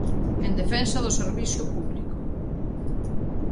En defensa do servizo publico.